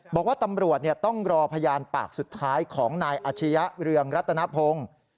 บอกว่าตำรวจต้องรอพยานปากสุดท้ายของนายอาชียะเรืองรัตนพงศ์